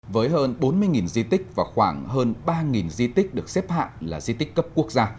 với hơn bốn mươi di tích và khoảng hơn ba di tích được xếp hạng là di tích cấp quốc gia